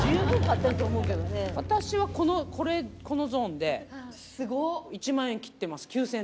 私はこれ、このゾーンで、１万円切ってます、９０００